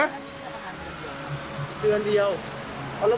เมื่อไหร่เอาไว้ล่ะ